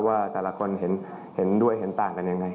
ว่าแต่ละคนเห็นด้วยเห็นต่างกันยังไง